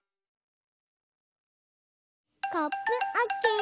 コップオッケー！